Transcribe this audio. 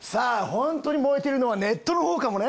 ホントに燃えてるのはネットのほうかもね。